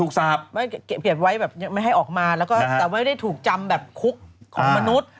เขียนไว้ไม่ให้ออกมาแต่ไม่ได้ถูกจำแบบคุกของมนุษย์